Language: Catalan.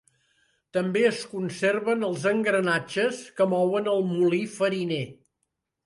També es conserven els engranatges que mouen el molí fariner.